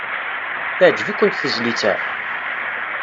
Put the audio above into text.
Teɛjeb-ikent tezlit-a?